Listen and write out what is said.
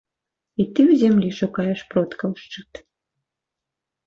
І ты ў зямлі шукаеш продкаў шчыт.